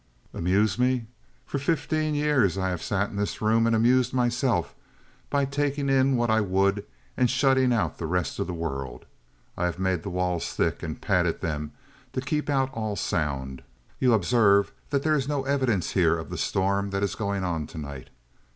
"Amuse me? For fifteen years I have sat in this room and amused myself by taking in what I would and shutting out the rest of the world. I have made the walls thick and padded them to keep out all sound. You observe that there is no evidence here of the storm that is going on tonight.